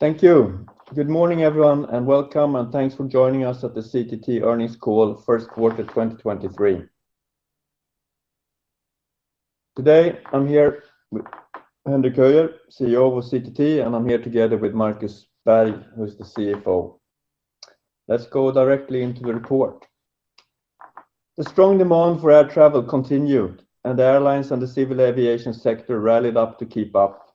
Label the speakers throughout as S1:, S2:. S1: Thank you. Good morning, everyone. Welcome, thanks for joining us at the CTT Earnings Call First Quarter 2023. Today, I'm here with Henrik Höjer, CEO of CTT, I'm here together with Markus Berg, who's the CFO. Let's go directly into the report. The strong demand for air travel continued. The airlines and the civil aviation sector rallied up to keep up.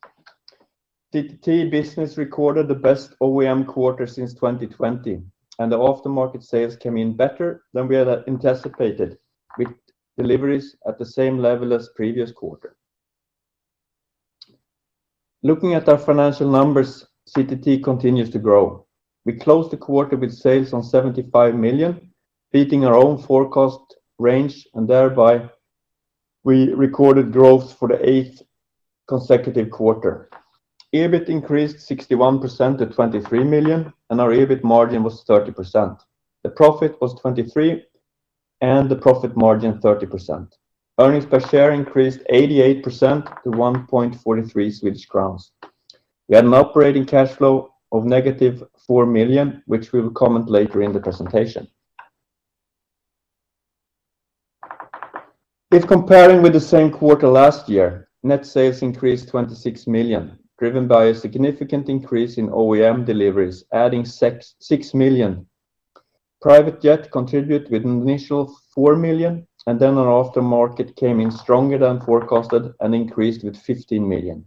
S1: CTT business recorded the best OEM quarter since 2020. The aftermarket sales came in better than we had anticipated, with deliveries at the same level as previous quarter. Looking at our financial numbers, CTT continues to grow. We closed the quarter with sales on 75 million, beating our own forecast range. Thereby we recorded growth for the 8th consecutive quarter. EBIT increased 61% to 23 million. Our EBIT margin was 30%. The profit was 23 million and the profit margin 30%. Earnings per share increased 88% to 1.43 Swedish crowns. We had an operating cash flow of -4 million, which we will comment later in the presentation. Comparing with the same quarter last year, net sales increased 26 million, driven by a significant increase in OEM deliveries, adding 6 million. Private Jet contribute with an initial 4 million, our aftermarket came in stronger than forecasted and increased with 15 million.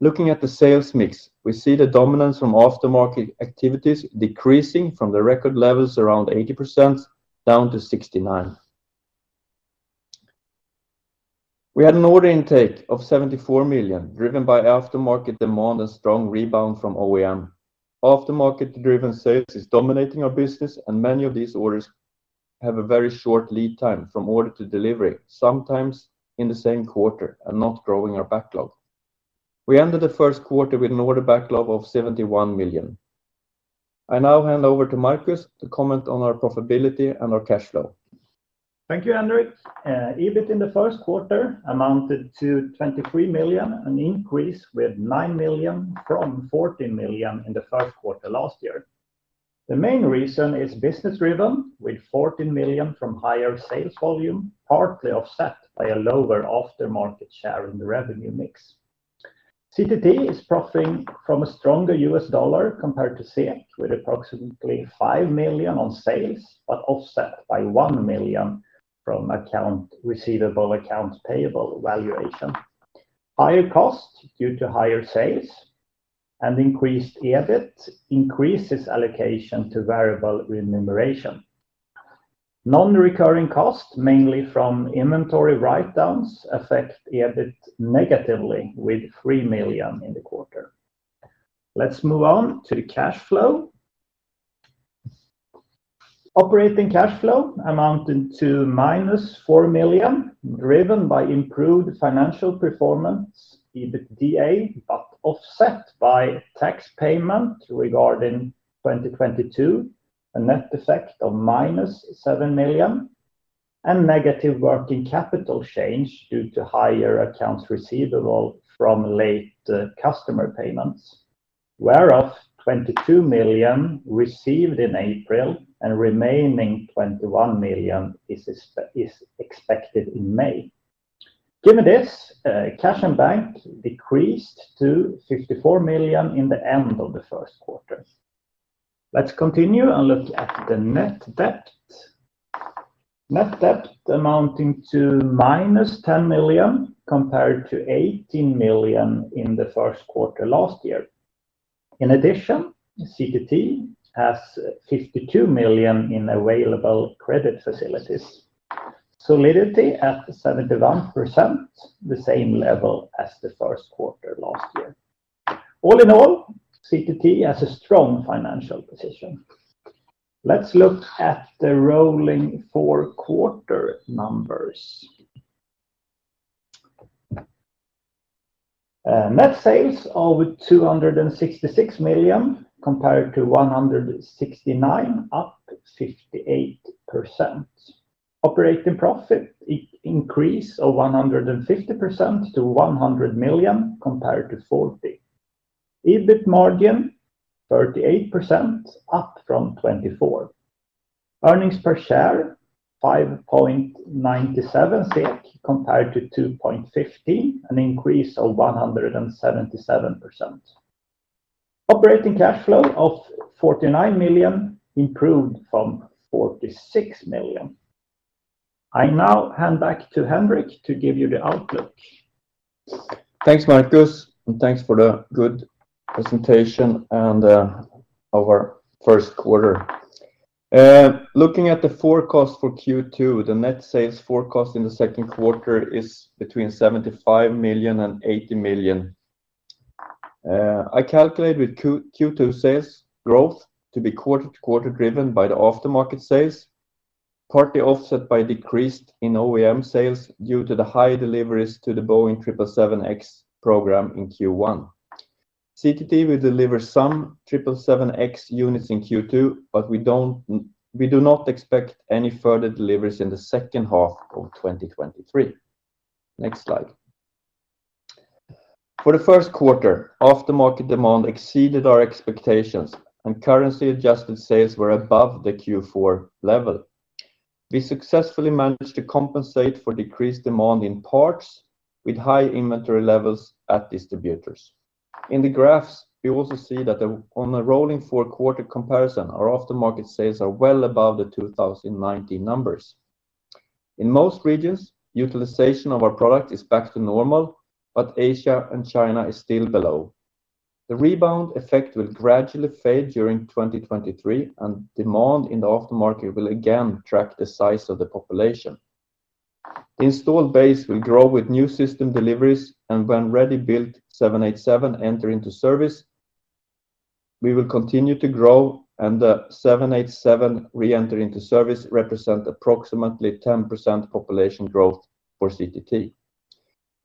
S1: Looking at the sales mix, we see the dominance from aftermarket activities decreasing from the record levels around 80% down to 69%. We had an order intake of 74 million, driven by aftermarket demand and strong rebound from OEM. Aftermarket-driven sales is dominating our business, and many of these orders have a very short lead time from order to delivery, sometimes in the same quarter and not growing our backlog. We ended the first quarter with an order backlog of 71 million. I now hand over to Markus to comment on our profitability and our cash flow.
S2: Thank you, Henrik. EBIT in the first quarter amounted to 23 million, an increase with 9 million from 14 million in the first quarter last year. The main reason is business driven with 14 million from higher sales volume, partly offset by a lower aftermarket share in the revenue mix. CTT Systems is profiting from a stronger US dollar compared to SEK, with approximately $5 million on sales, but offset by 1 million from receivable accounts payable valuation. Higher cost due to higher sales and increased EBIT increases allocation to variable remuneration. Non-recurring costs, mainly from inventory write-downs, affect EBIT negatively with 3 million in the quarter. Let's move on to the cash flow. Operating cash flow amounted to -4 million, driven by improved financial performance, EBITDA, but offset by tax payment regarding 2022, a net effect of -7 million and negative working capital change due to higher accounts receivable from late customer payments, whereof 22 million received in April and remaining 21 million is expected in May. Given this, cash and bank decreased to 54 million in the end of the first quarter. Let's continue and look at the net debt. Net debt amounting to -10 million compared to 18 million in the first quarter last year. In addition, CTT has 52 million in available credit facilities. Solidity at 71%, the same level as the first quarter last year. All in all, CTT has a strong financial position. Let's look at the rolling four-quarter numbers. Net sales of 266 million compared to 169 million, up 58%. Operating profit increase of 150% to 100 million compared to 40 million. EBIT margin 38%, up from 24%. Earnings per share 5.97 compared to 2.50, an increase of 177%. Operating cash flow of 49 million improved from 46 million. I now hand back to Henrik to give you the outlook.
S1: Thanks, Markus, thanks for the good presentation on our first quarter. Looking at the forecast for Q2, the net sales forecast in the second quarter is between 75 million and 80 million. I calculate with Q2 sales growth to be quarter-to-quarter driven by the aftermarket sales, partly offset by decreased in OEM sales due to the high deliveries to the Boeing 777X program in Q1. CTT will deliver some 777X units in Q2, we do not expect any further deliveries in the second half of 2023. Next slide. For the first quarter, after-market demand exceeded our expectations, currency-adjusted sales were above the Q4 level. We successfully managed to compensate for decreased demand in parts with high inventory levels at distributors. In the graphs, we also see that on a rolling fourth comparison, our after-market sales are well above the 2019 numbers. In most regions, utilization of our product is back to normal, but Asia and China is still below. The rebound effect will gradually fade during 2023, and demand in the aftermarket will again track the size of the population. The installed base will grow with new system deliveries, and when ready-built Boeing 787 enter into service, we will continue to grow, and the Boeing 787 re-enter into service represent approximately 10% population growth for CTT.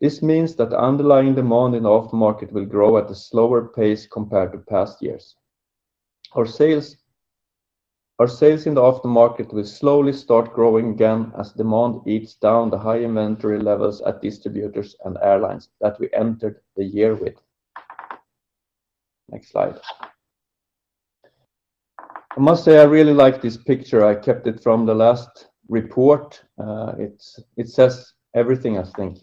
S1: This means that underlying demand in the aftermarket will grow at a slower pace compared to past years. Our sales in the aftermarket will slowly start growing again as demand eats down the high inventory levels at distributors and airlines that we entered the year with. Next slide. I must say, I really like this picture. I kept it from the last report. It says everything, I think.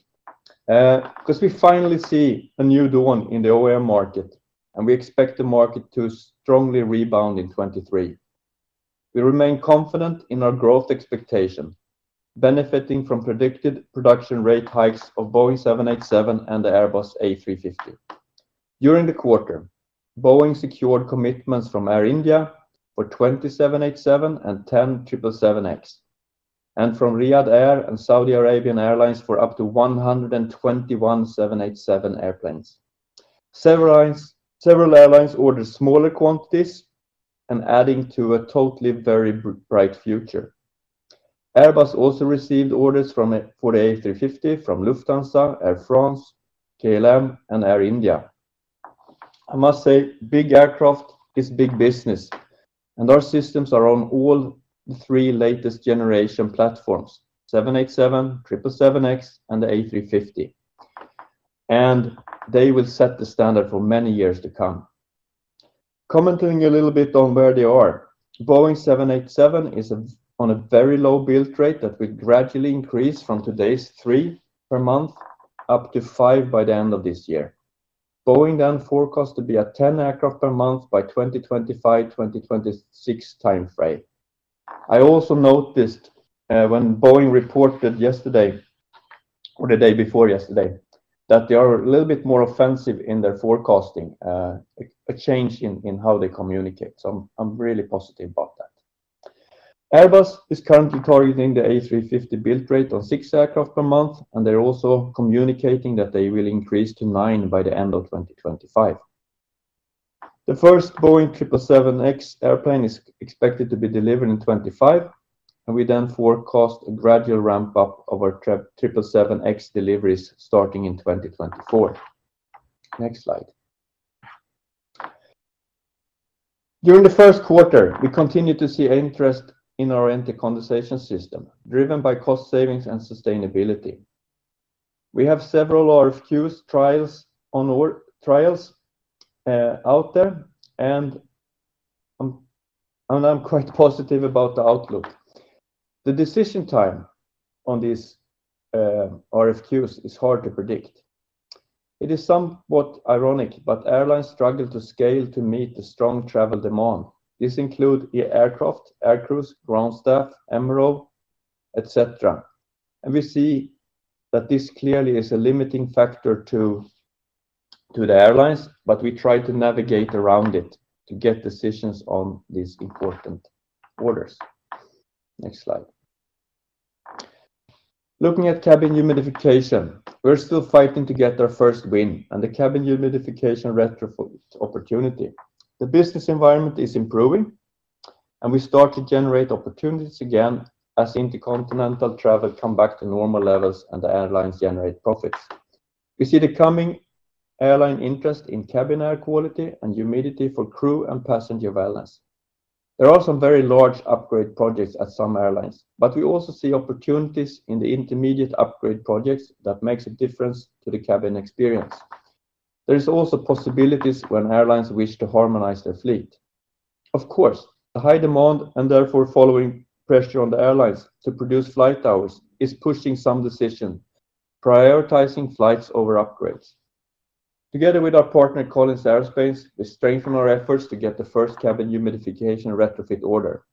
S1: We finally see a new dawn in the OEM market, and we expect the market to strongly rebound in 2023. We remain confident in our growth expectation, benefiting from predicted production rate hikes of Boeing 787 and the Airbus A350. During the quarter, Boeing secured commitments from Air India for 20 787 and 10 777X, and from Riyadh Air and Saudi Arabian Airlines for up to 121 787 airplanes. Several airlines ordered smaller quantities and adding to a totally very bright future. Airbus also received orders for the A350 from Lufthansa, Air France, KLM, and Air India. I must say, big aircraft is big business, and our systems are on all three latest generation platforms: Boeing 787, Boeing 777X, and the A350. They will set the standard for many years to come. Commenting a little bit on where they are. Boeing 787 is on a very low build rate that will gradually increase from today's three per month up to five by the end of this year. Boeing forecast to be at 10 aircraft per month by 2025, 2026 timeframe. I also noticed, when Boeing reported yesterday, or the day before yesterday, that they are a little bit more offensive in their forecasting, a change in how they communicate. I'm really positive about that. Airbus is currently targeting the A350 build rate on six aircraft per month, and they're also communicating that they will increase to nine by the end of 2025. The first Boeing triple seven X airplane is expected to be delivered in 2025, we forecast a gradual ramp-up of our triple seven X deliveries starting in 2024. Next slide. During the first quarter, we continued to see interest in our Anti-condensation system, driven by cost savings and sustainability. We have several RFQs trials on board trials out there, I'm quite positive about the outlook. The decision time on these RFQs is hard to predict. It is somewhat ironic, but airlines struggle to scale to meet the strong travel demand. This include the aircraft, air crews, ground staff, MRO, et cetera. We see that this clearly is a limiting factor to the airlines, but we try to navigate around it to get decisions on these important orders. Next slide. Looking at cabin humidification, we're still fighting to get our first win on the cabin humidification retrofit opportunity. The business environment is improving, and we start to generate opportunities again as intercontinental travel come back to normal levels and the airlines generate profits. We see the coming airline interest in cabin air quality and humidity for crew and passenger wellness. There are some very large upgrade projects at some airlines, but we also see opportunities in the intermediate upgrade projects that makes a difference to the cabin experience. There is also possibilities when airlines wish to harmonize their fleet. Of course, the high demand, and therefore following pressure on the airlines to produce flight hours, is pushing some decision, prioritizing flights over upgrades. Together with our partner, Collins Aerospace, we strengthen our efforts to get the first cabin humidification retrofit order.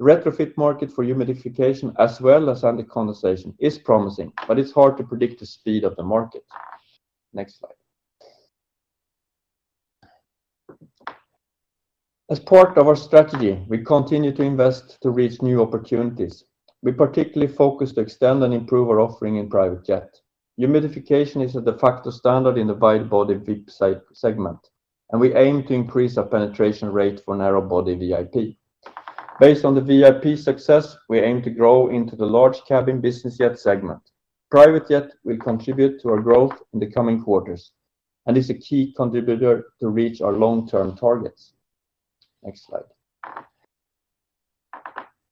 S1: The retrofit market for humidification as well as anti-condensation is promising, but it's hard to predict the speed of the market. Next slide. As part of our strategy, we continue to invest to reach new opportunities. We particularly focus to extend and improve our offering in private jet. Humidification is a de facto standard in the wide-body VIP segment, and we aim to increase our penetration rate for narrow-body VIP. Based on the VIP success, we aim to grow into the large cabin business jet segment. Private jet will contribute to our growth in the coming quarters and is a key contributor to reach our long-term targets. Next slide.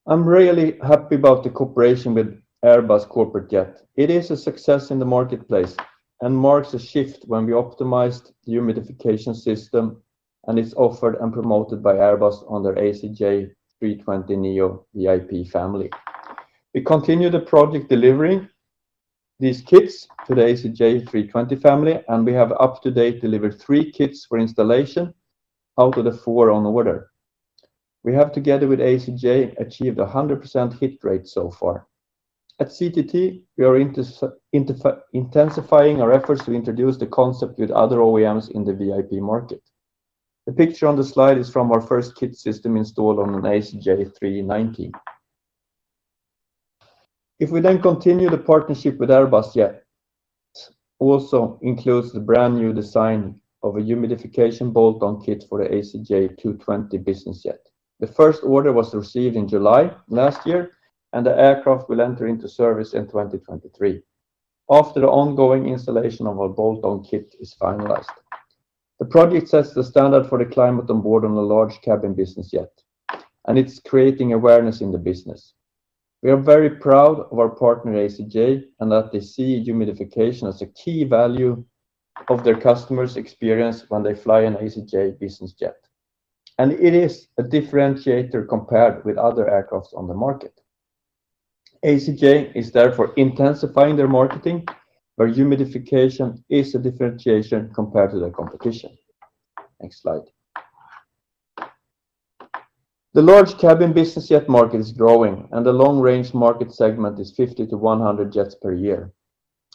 S1: I'm really happy about the cooperation with Airbus Corporate Jets. It is a success in the marketplace and marks a shift when we optimized the humidification system, and it's offered and promoted by Airbus on their ACJ320neo VIP family. We continue the project delivering these kits to the ACJ320 family, and we have up to date delivered 3 kits for installation out of the four on order. We have, together with ACJ, achieved a 100% hit rate so far. At CTT, we are intensifying our efforts to introduce the concept with other OEMs in the VIP market. The picture on the slide is from our first kit system installed on an ACJ319. We then continue the partnership with Airbus Jet also includes the brand new design of a humidification bolt-on-kit for the ACJ220 business jet. The first order was received in July last year, and the aircraft will enter into service in 2023 after the ongoing installation of our bolt-on-kit is finalized. The project sets the standard for the climate on board on a large cabin business jet, and it's creating awareness in the business. We are very proud of our partner, ACJ, and that they see humidification as a key value of their customer's experience when they fly an ACJ business jet. It is a differentiator compared with other aircraft on the market. ACJ is therefore intensifying their marketing, where humidification is a differentiation compared to their competition. Next slide. The large cabin business jet market is growing. The long-range market segment is 50 to 100 jets per year.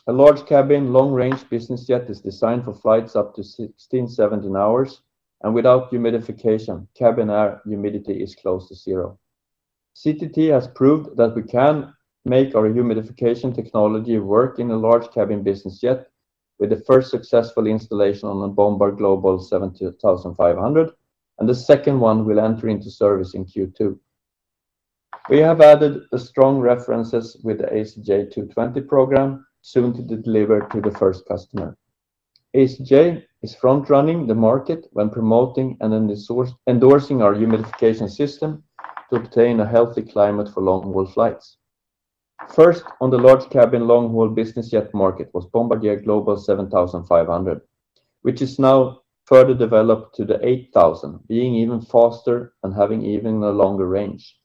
S1: A large cabin, long-range business jet is designed for flights up to 16, 17 hours. Without humidification, cabin air humidity is close to zero. CTT has proved that we can make our humidification technology work in a large cabin business jet with the first successful installation on a Bombardier Global 7500. The second one will enter into service in Q2. We have added the strong references with the ACJ TwoTwenty program, soon to deliver to the first customer. ACJ is front running the market when promoting and endorsing our humidification system to obtain a healthy climate for long-haul flights. First on the large cabin long-haul business jet market was Bombardier Global 7500, which is now further developed to the 8000, being even faster and having even a longer range.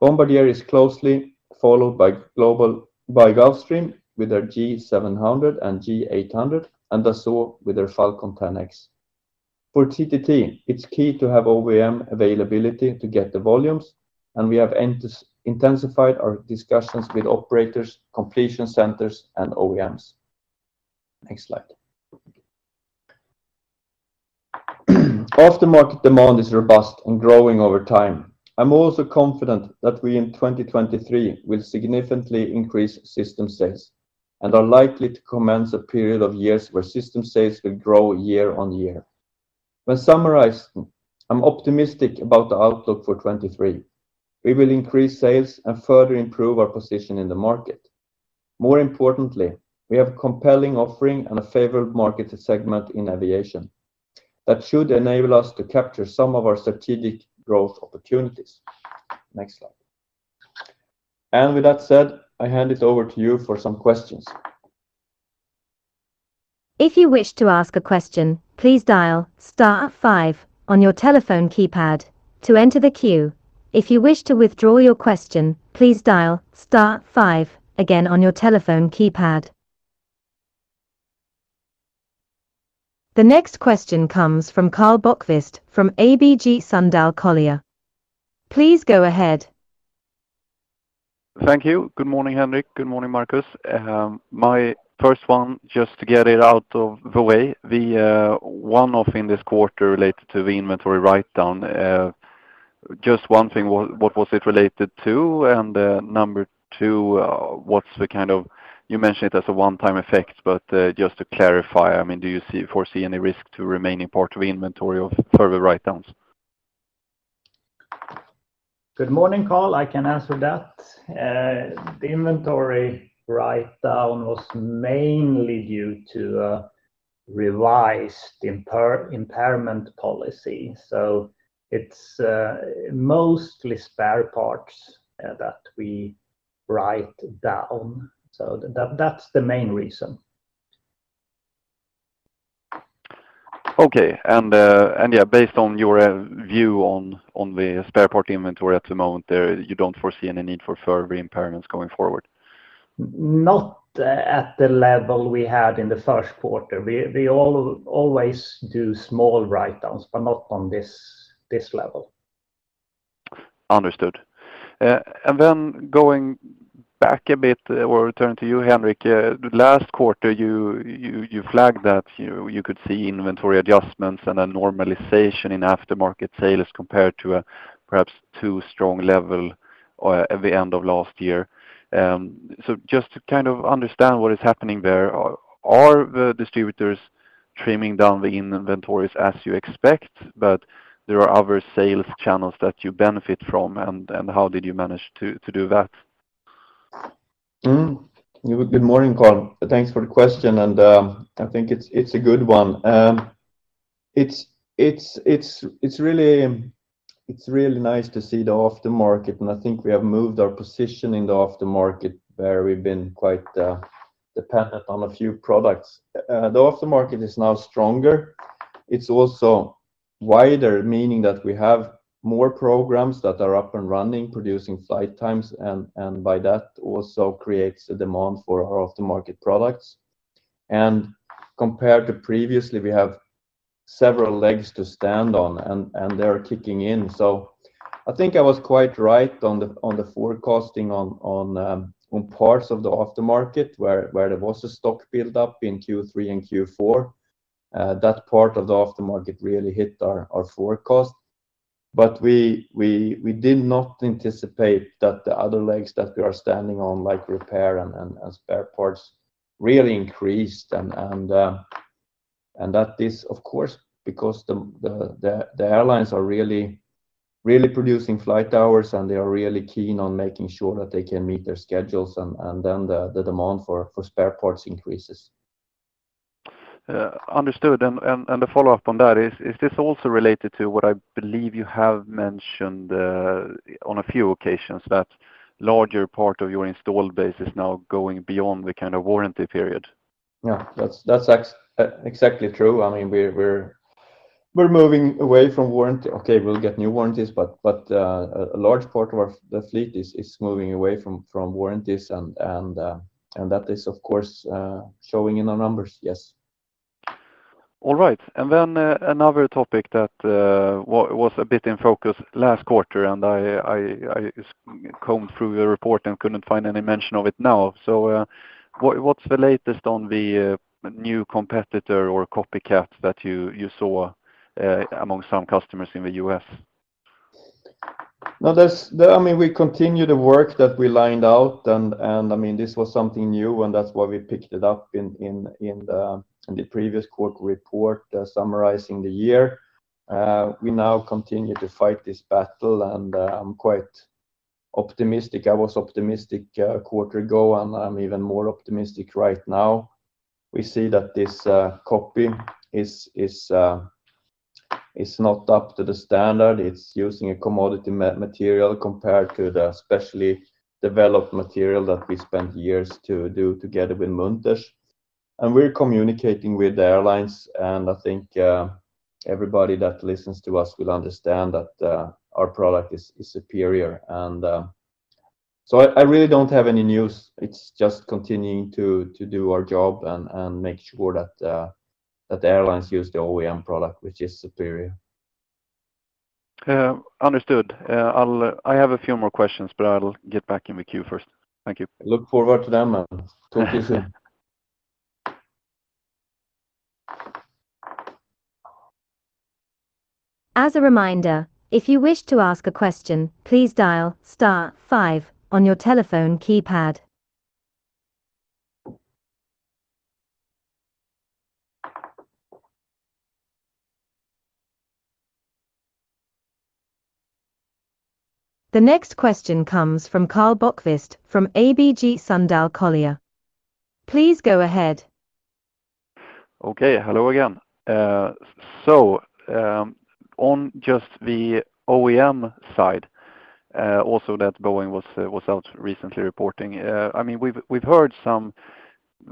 S1: Bombardier is closely followed by Global by Gulfstream with their G700 and G800, and Dassault with their Falcon 10X. For CTT, it's key to have OEM availability to get the volumes, and we have intensified our discussions with operators, completion centers, and OEMs. Next slide. Aftermarket demand is robust and growing over time. I'm also confident that we in 2023 will significantly increase system sales and are likely to commence a period of years where system sales will grow year-over-year. When summarizing, I'm optimistic about the outlook for 2023. We will increase sales and further improve our position in the market. More importantly, we have compelling offering and a favored market segment in aviation that should enable us to capture some of our strategic growth opportunities. Next slide. With that said, I hand it over to you for some questions.
S3: If you wish to ask a question, please dial star five on your telephone keypad to enter the queue. If you wish to withdraw your question, please dial star five again on your telephone keypad. The next question comes from Karl Bokvist from ABG Sundal Collier. Please go ahead.
S4: Thank you. Good morning, Henrik. Good morning, Markus. My first one, just to get it out of the way, the one-off in this quarter related to the inventory write-down. Just one thing, what was it related to? Number two, You mentioned it as a one-time effect, but just to clarify, I mean, do you foresee any risk to remaining part of the inventory of further write-downs?
S1: Good morning, Karl. I can answer that. The inventory write-down was mainly due to a revised impairment policy. It's mostly spare parts that we write down. That's the main reason.
S4: Okay. yeah, based on your view on the spare part inventory at the moment, you don't foresee any need for further impairments going forward?
S1: Not at the level we had in the first quarter. We always do small write-downs, but not on this level.
S4: Understood. Going back a bit, we'll return to you, Henrik. Last quarter, you flagged that you could see inventory adjustments and a normalization in aftermarket sales compared to a perhaps too strong level at the end of last year. Just to kind of understand what is happening there, are the distributors trimming down the inventories as you expect, but there are other sales channels that you benefit from, and how did you manage to do that?
S1: Good morning, Karl. Thanks for the question. I think it's a good one. It's really nice to see the after market, and I think we have moved our position in the after market where we've been quite dependent on a few products. The after market is now stronger. It's also wider, meaning that we have more programs that are up and running, producing flight times and by that also creates a demand for our after-market products. Compared to previously, we have several legs to stand on and they are kicking in. I think I was quite right on the forecasting on parts of the after market where there was a stock build-up in Q3 and Q4. That part of the after market really hit our forecast. We did not anticipate that the other legs that we are standing on, like repair and spare parts really increased. That is, of course, because the airlines are really producing flight hours, and they are really keen on making sure that they can meet their schedules and then the demand for spare parts increases.
S4: Understood. The follow-up on that is this also related to what I believe you have mentioned on a few occasions, that larger part of your installed base is now going beyond the kind of warranty period?
S1: Yeah. That's, that's exactly true. I mean, we're moving away from warranty. Okay, we'll get new warranties, but, a large part of our, the fleet is moving away from warranties and that is, of course, showing in our numbers. Yes.
S4: All right. Then, another topic that was a bit in focus last quarter, and I combed through your report and couldn't find any mention of it now. What's the latest on the new competitor or copycat that you saw among some customers in the U.S.?
S1: No, that's. I mean, we continue the work that we lined out, and I mean, this was something new, and that's why we picked it up in the previous quarter report, summarizing the year. We now continue to fight this battle, and I'm quite optimistic. I was optimistic a quarter ago, and I'm even more optimistic right now. We see that this copy is not up to the standard. It's using a commodity material compared to the specially developed material that we spent years to do together with Munters. We're communicating with the airlines, and I think everybody that listens to us will understand that our product is superior. I really don't have any news. It's just continuing to do our job and make sure that the airlines use the OEM product, which is superior.
S4: Understood. I have a few more questions, but I'll get back in the queue first. Thank you.
S1: Look forward to them. Talk to you soon.
S3: As a reminder, if you wish to ask a question, please dial star five on your telephone keypad. The next question comes from Karl Bokvist from ABG Sundal Collier. Please go ahead.
S4: Okay. Hello again. On just the OEM side, also that Boeing was out recently reporting. I mean, we've heard some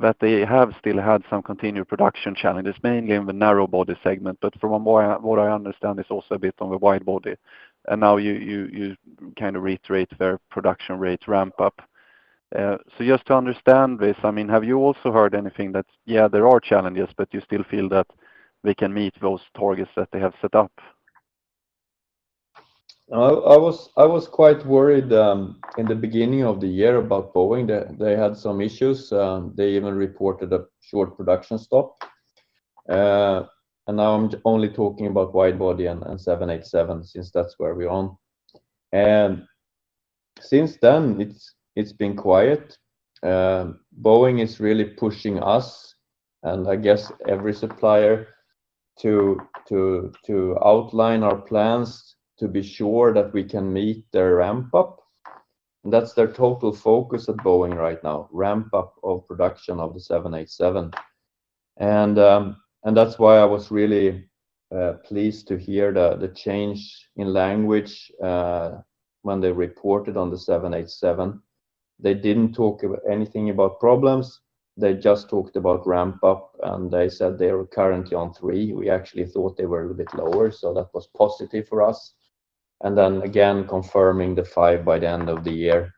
S4: that they have still had some continued production challenges, mainly in the narrow body segment. From what I understand is also a bit on the wide body, and now you kind of reiterate their production rates ramp up. Just to understand this, I mean, have you also heard anything that, yeah, there are challenges, but you still feel that they can meet those targets that they have set up?
S1: I was quite worried in the beginning of the year about Boeing. They had some issues. They even reported a short production stop. Now I'm only talking about wide-body and 787 since that's where we're on. Since then, it's been quiet. Boeing is really pushing us and I guess every supplier to outline our plans to be sure that we can meet their ramp-up. That's their total focus at Boeing right now, ramp-up of production of the 787. That's why I was really pleased to hear the change in language when they reported on the 787. They didn't talk anything about problems. They just talked about ramp-up, and they said they were currently on three. We actually thought they were a little bit lower, so that was positive for us. Then again, confirming the five by the end of the year.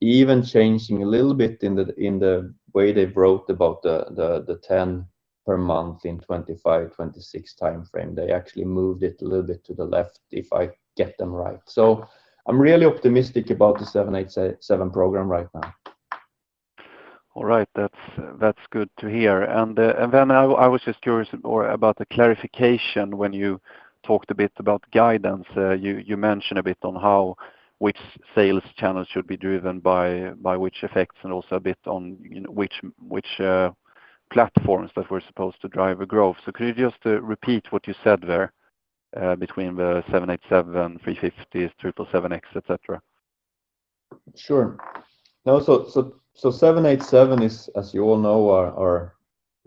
S1: Even changing a little bit in the way they wrote about the 10 per month in 2025-2026 timeframe. They actually moved it a little bit to the left if I get them right. I'm really optimistic about the 787 program right now.
S4: All right. That's good to hear. I was just curious or about the clarification when you talked a bit about guidance. You mentioned a bit on how which sales channel should be driven by which effects, and also a bit on which platforms that were supposed to drive a growth. Could you just repeat what you said there? Between the 787, 350, 777X, et cetera.
S1: Sure. So 787 is, as you all know, our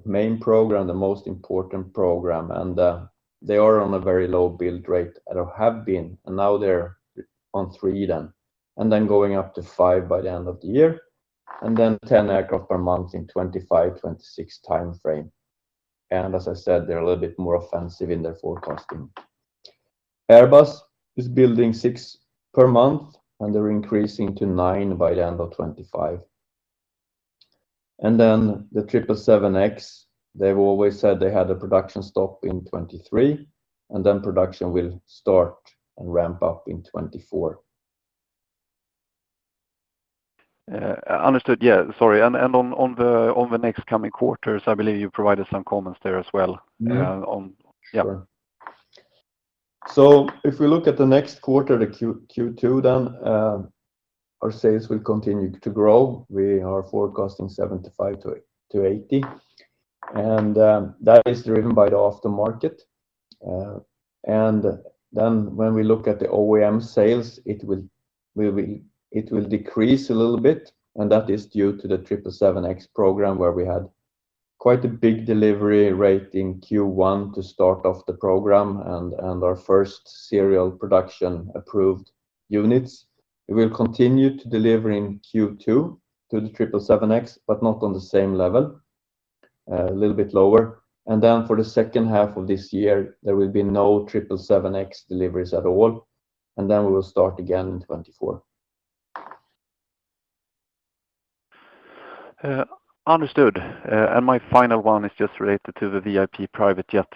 S1: main program, the most important program, and they are on a very low build rate, or have been. Now they're on three then going up to five by the end of the year, then 10 aircraft per month in 2025, 2026 timeframe. As I said, they're a little bit more offensive in their forecasting. Airbus is building 6 per month. They're increasing to 9 by the end of 2025. Then the 777X, they've always said they had a production stop in 2023. Then production will start and ramp up in 2024.
S4: Understood. Yeah, sorry. On the next coming quarters, I believe you provided some comments there as well.
S1: Mm-hmm
S4: Yeah.
S1: Sure. If we look at the next quarter, Q2 then, our sales will continue to grow. We are forecasting SEK 75 million-SEK 80 million. That is driven by the aftermarket. When we look at the OEM sales, it will decrease a little bit, and that is due to the Boeing 777X program where we had quite a big delivery rate in Q1 to start off the program and our first serial production approved units. We will continue to deliver in Q2 to the Boeing 777X, but not on the same level, a little bit lower. For the second half of this year, there will be no Boeing 777X deliveries at all, and then we will start again in 2024.
S4: Understood. My final one is just related to the VIP private jet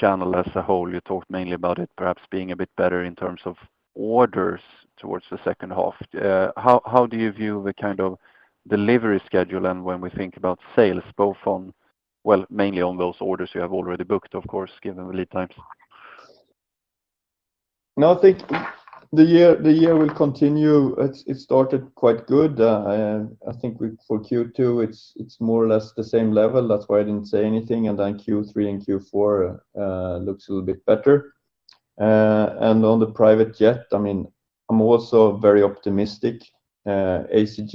S4: channel as a whole. You talked mainly about it perhaps being a bit better in terms of orders towards the second half. How do you view the kind of delivery schedule and when we think about sales, both on, well, mainly on those orders you have already booked, of course, given the lead times?
S1: No, I think the year will continue. It started quite good. I think we, for Q2, it's more or less the same level. That's why I didn't say anything. Q3 and Q4 looks a little bit better. On the private jet, I mean, I'm also very optimistic. ACJ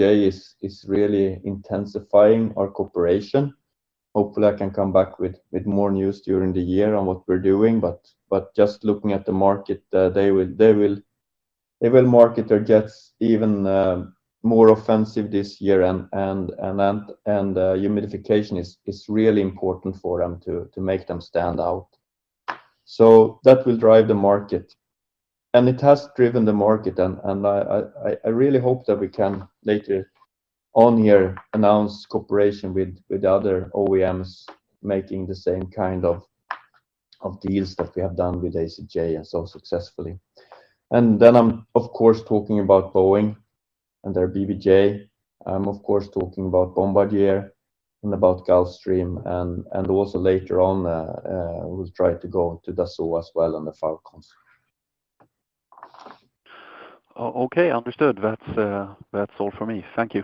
S1: is really intensifying our cooperation. Hopefully, I can come back with more news during the year on what we're doing, but just looking at the market, they will market their jets even more offensive this year and humidification is really important for them to make them stand out. That will drive the market, and it has driven the market, and I really hope that we can later on here announce cooperation with other OEMs making the same kind of deals that we have done with ACJ and so successfully. Then I'm, of course, talking about Boeing and their BBJ. I'm of course talking about Bombardier and about Gulfstream and also later on, we'll try to go to Dassault as well and the Falcons.
S4: Okay. Understood. That's all for me. Thank you.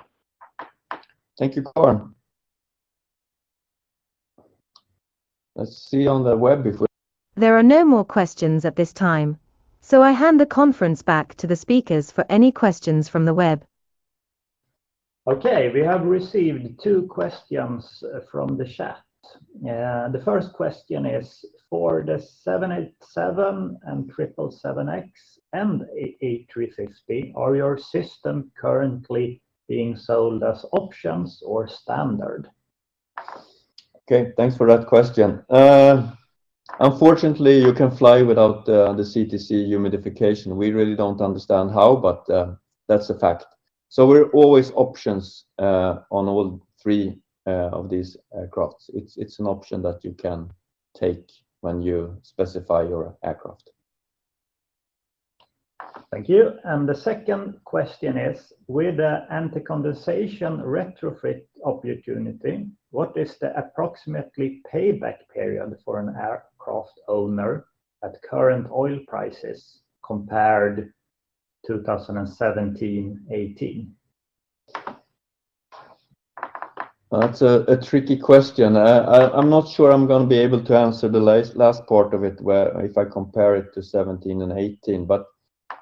S1: Thank you, Carl. Let's see on the web if we-.
S3: There are no more questions at this time. I hand the conference back to the speakers for any questions from the web.
S2: Okay, we have received two questions from the chat. The first question is, "For the 787 and 777X and A350, are your system currently being sold as options or standard?
S1: Okay, thanks for that question. Unfortunately, you can fly without the Cair humidification. We really don't understand how, but that's a fact. We're always options on all three of these aircraft. It's an option that you can take when you specify your aircraft.
S2: Thank you. The second question is, "With the anti-condensation retrofit opportunity, what is the approximately payback period for an aircraft owner at current oil prices compared 2017, 2018?
S1: That's a tricky question. I'm not sure I'm gonna be able to answer the last part of it where if I compare it to 2017 and 2018.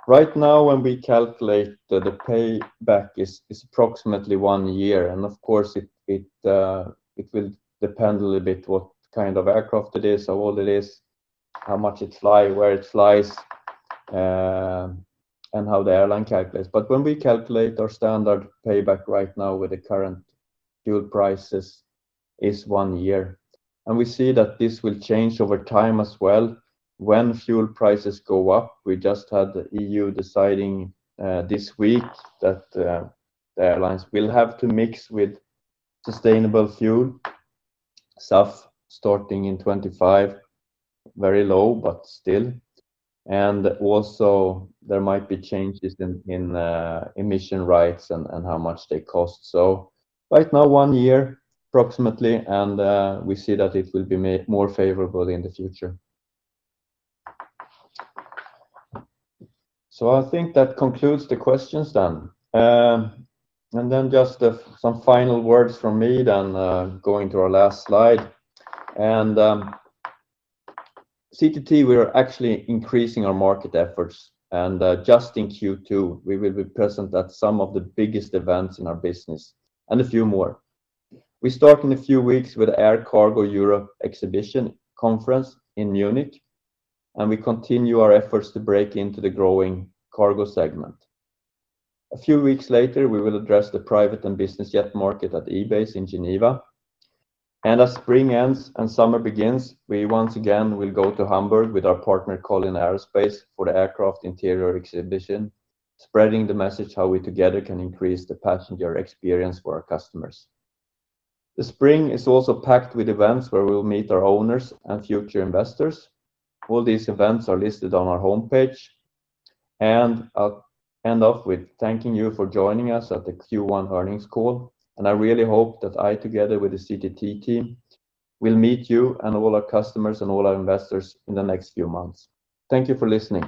S1: Right now when we calculate the payback is approximately one year. Of course it will depend a little bit what kind of aircraft it is, how old it is, how much it fly, where it flies, and how the airline calculates. When we calculate our standard payback right now with the current fuel prices is one year. We see that this will change over time as well when fuel prices go up. We just had the EU deciding this week that the airlines will have to mix with sustainable fuel, SAF, starting in 2025, very low, but still. Also there might be changes in emission rights and how much they cost. Right now 1 year approximately, we see that it will be made more favorable in the future. I think that concludes the questions then. Just some final words from me then, going to our last slide. CTT, we are actually increasing our market efforts. Just in Q2, we will be present at some of the biggest events in our business and a few more. We start in a few weeks with air cargo Europe Exhibition Conference in Munich, and we continue our efforts to break into the growing cargo segment. A few weeks later, we will address the private and business jet market at EBACE in Geneva. As spring ends and summer begins, we once again will go to Hamburg with our partner, Collins Aerospace, for the Aircraft Interiors Expo, spreading the message how we together can increase the passenger experience for our customers. The spring is also packed with events where we'll meet our owners and future investors. All these events are listed on our homepage. I'll end off with thanking you for joining us at the Q1 Earnings Call, and I really hope that I, together with the CTT team, will meet you and all our customers and all our investors in the next few months. Thank you for listening.